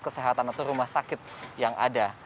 kesehatan atau rumah sakit yang ada